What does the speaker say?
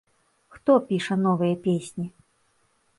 Хто піша новыя песні?